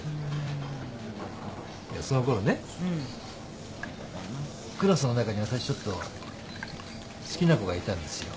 そのころねクラスの中に私ちょっと好きな子がいたんですよ。